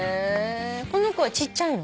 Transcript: この子はちっちゃいの？